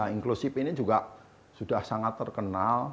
inklusif ini juga sudah sangat terkenal